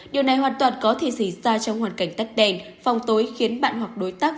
điều này hoàn toàn có thể xảy ra trong hoàn cảnh tắt đèn phòng tối khiến bạn hoặc đối tác